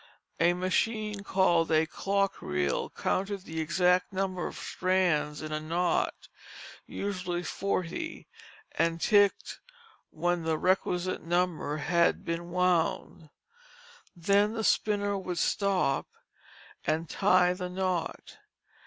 A machine called a clock reel counted the exact number of strands in a knot, usually forty, and ticked when the requisite number had been wound. Then the spinner would stop and tie the knot.